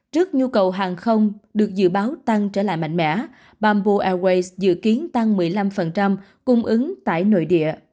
trước nhu cầu hàng không được dự báo tăng trở lại mạnh mẽ bamboo airways dự kiến tăng một mươi năm cung ứng tại nội địa